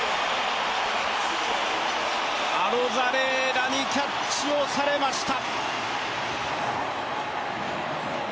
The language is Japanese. アロザレーナにキャッチをされました。